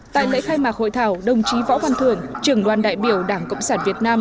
tại lễ khai mạc hội thảo đồng chí võ văn thưởng trưởng đoàn đại biểu đảng cộng sản việt nam